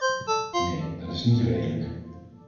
Nee, dat is niet redelijk.